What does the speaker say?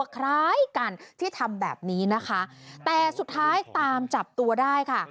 คล้ายกันที่ทำแบบนี้นะคะแต่สุดท้ายตามจับตัวได้ค่ะ